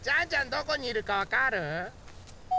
どこにいるかわかる？